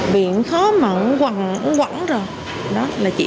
viện khó mà cũng quẳng rồi